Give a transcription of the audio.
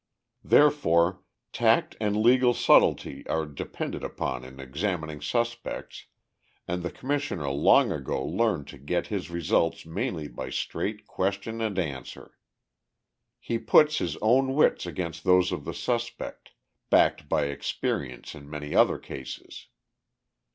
Therefore, tact and legal subtilty are depended upon in examining suspects, and the Commissioner long ago learned to get his results mainly by straight question and answer. He puts his own wits against those of the suspect, backed by experience in many other cases.